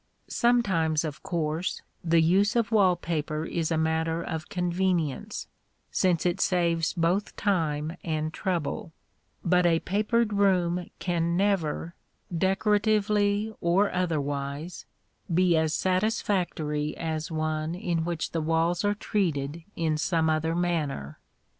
Sometimes, of course, the use of wall paper is a matter of convenience, since it saves both time and trouble; but a papered room can never, decoratively or otherwise, be as satisfactory as one in which the walls are treated in some other manner.